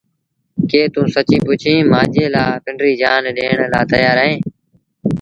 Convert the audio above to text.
ڪيٚ توٚنٚ سچيٚݩ پچيٚݩ مآݩجي لآ پنڊريٚ جآن ڏيڻ لآ تيآر اهينٚ؟